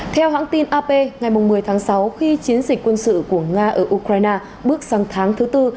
theo hãng tin ap ngày một mươi tháng sáu khi chiến dịch quân sự của nga ở ukraine bước sang tháng thứ tư